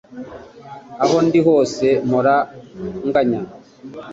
Aho ndi hose mpora nganya